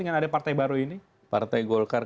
dengan ada partai baru ini partai golkar